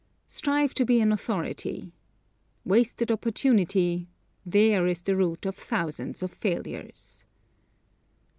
Strive to be an authority. Wasted opportunity; there is the root of thousands of failures.